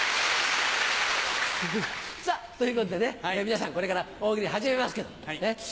さぁということでね皆さんこれから大喜利始めますけど。